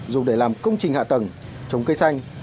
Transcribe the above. dùng để làm công trình hạ tầng chống cây xanh